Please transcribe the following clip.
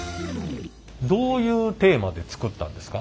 どういうテーマで作ったんですか？